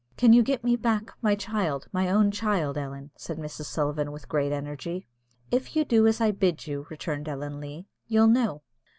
"Can you get me back my child, my own child, Ellen?" said Mrs. Sullivan with great energy. "If you do as I bid you," returned Ellen Leah, "you'll know."